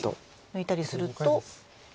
抜いたりすると。